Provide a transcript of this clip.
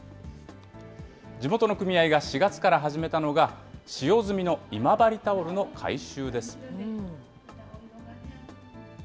地元の組合が４月から始めたのが、使用済みの今治タオルの回収です。